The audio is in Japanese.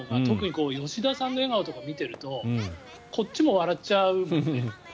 特に吉田さんの笑顔とか見てるとこっちも笑っちゃうよね。